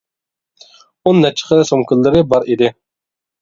ئون نەچچە خىل سومكىلىرى بار ئىدى.